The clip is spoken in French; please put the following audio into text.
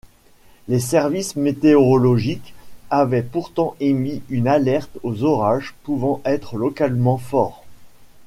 Les services météorologiques avaient pourtant émis une alerte aux orages pouvant être localement fort.